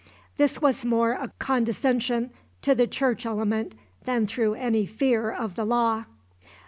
This was more a condescension to the church element than through any fear of the law.